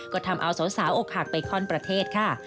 ก็ทำเอาสาวอกหักไปข้อนประเทศค่ะ